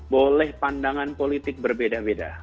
boleh pandangan politik berbeda beda